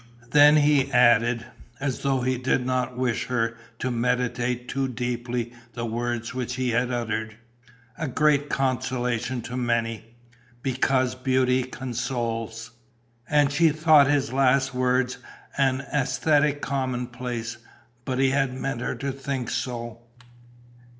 Then he added, as though he did not wish her to meditate too deeply the words which he had uttered: "A great consolation to many ... because beauty consoles." And she thought his last words an æsthetic commonplace; but he had meant her to think so.